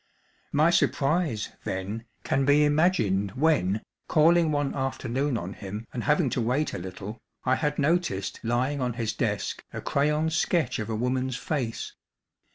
My surprise, then, can be imagined when, calling one afternoon on him and having to wait a little, I had noticed lying on his desk a crayon sketch of a woman's face.